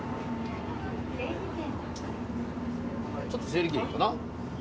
ちょっと整理券いいかな。